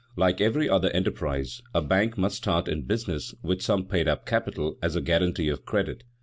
Like every other enterprise, a bank must start in business with some paid up capital as a guarantee of credit.